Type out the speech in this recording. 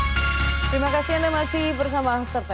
terima kasih anda masih bersama after sepuluh